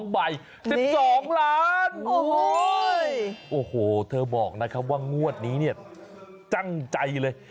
ใบ๑๒ล้านโอ้โหเธอบอกนะครับว่างวดนี้เนี่ยตั้งใจเลย